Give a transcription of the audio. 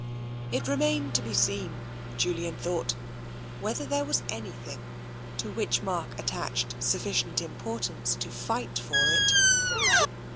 It remained to be seen, Julian thought, whether there were anything to which Mark attached sufficient importance to fight for it.